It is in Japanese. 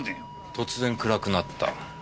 突然暗くなった。